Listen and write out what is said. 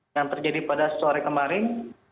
yang terjadi pada sore kemarin